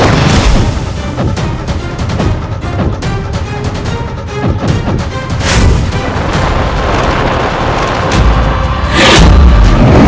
jangan menghasut rakyatmu